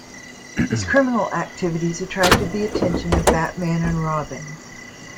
His criminal activities attracted the attention of Batman and Robin.